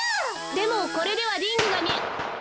でもこれではリングがみえ。